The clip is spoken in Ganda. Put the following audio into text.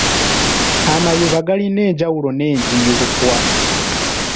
Amayuba gayina enjawulo n'enjiibwa.